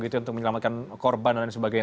untuk menyelamatkan korban dan lain sebagainya